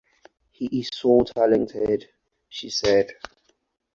"He's so talented", she said.